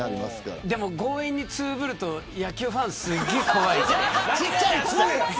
でも強引に通ぶると野球ファンはすごく怖いからね。